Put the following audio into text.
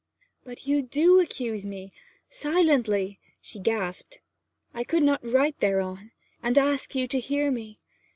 'But you do accuse me silently!' she gasped. 'I could not write thereon and ask you to hear me.